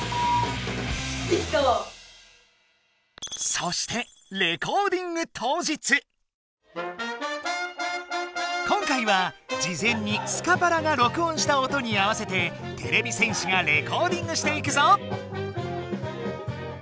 そして今回はじぜんにスカパラが録音した音に合わせててれび戦士がレコーディングしていくぞ。